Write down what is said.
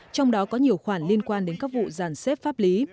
trong đó có nhiều khoản liên quan đến các vụ giàn xếp pháp lý